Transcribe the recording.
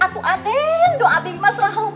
pasti atu aden doa bimas lah lo buat aku